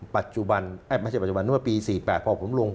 ปัจจุบันไม่ใช่ปัจจุบันเมื่อปี๔๘พอผมลง